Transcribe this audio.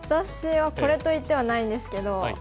私はこれといってはないんですけど。